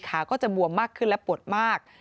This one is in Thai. ขาก็จะบวมมากขึ้นและปวดมาก